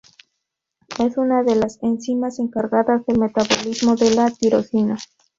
Es una de las enzimas encargadas del metabolismo de la tirosina.